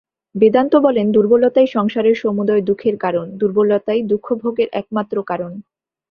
বেদান্ত বলেন, দুর্বলতাই সংসারের সমুদয় দুঃখের কারণ, দুর্বলতাই দুঃখভোগের একমাত্র কারণ।